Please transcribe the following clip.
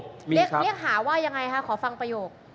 เรียกหาว่ายังไงคะขอฟังประโยค